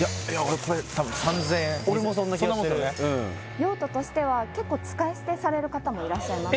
用途としては結構使い捨てされる方もいらっしゃいます